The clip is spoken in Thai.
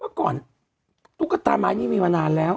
เมื่อก่อนลูกก็ตามมาก่อนนี้ไม่มานานแล้ว